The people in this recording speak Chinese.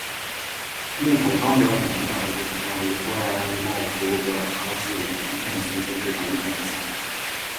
木口刚表演完大伙都在欢呼，突然冒出个哈基雷，一片嘘声，至少一半人散场